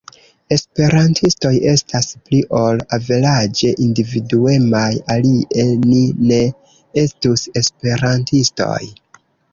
Esperantistoj estas pli ol averaĝe individuemaj alie ni ne estus esperantistoj.